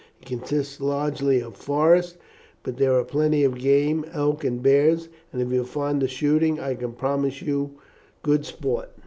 It consists largely of forest, but there is plenty of game, elk and bears. If you are fond of shooting I can promise you good sport."